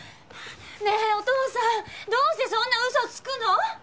ねえお父さんどうしてそんな嘘つくの！？